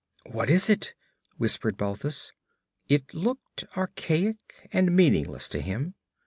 'What is it?' whispered Balthus. It looked archaic and meaningless to him.